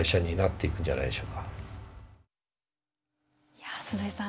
いや鈴井さん